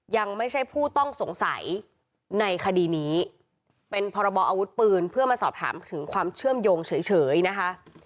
ยังไม่ใช่ผู้ต้องสงสัยในคดีนี้เป็นพรบออาวุธปืนเพื่อมาสอบถามถึงความเชื่อมโยงเฉยนะคะ